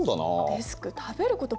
デスク食べることばっかり。